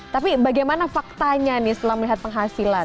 tapi bagaimana faktanya nih setelah melihat penghasilan